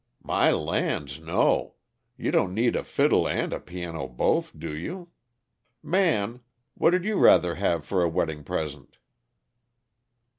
"My lands, no! You don't need a fiddle and a piano both, do you? Man, what'd you rather have for a weddin' present?"